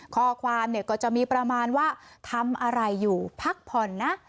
ข้อความเนี่ยก็จะมีประมาณว่าทำอะไรอยู่พักผ่อนนะ